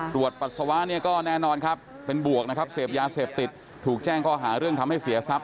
ปัสสาวะเนี่ยก็แน่นอนครับเป็นบวกนะครับเสพยาเสพติดถูกแจ้งข้อหาเรื่องทำให้เสียทรัพย